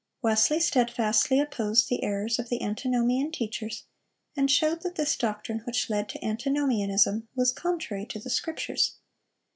Wesley steadfastly opposed the errors of the Antinomian teachers, and showed that this doctrine which led to Antinomianism was contrary to the Scriptures.